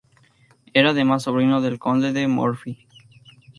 Era además sobrino del conde de Morphy.